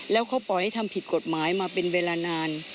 แล้วเขาปล่อยให้ทำผิดกฎหมายมาเป็นเวลานาน